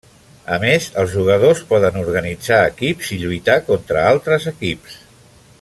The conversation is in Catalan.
A més, els jugadors poden organitzar equips i lluitar contra altres equips.